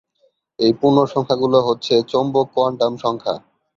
এই পূর্ণ সংখ্যাগুলো হচ্ছে চৌম্বক কোয়ান্টাম সংখ্যা।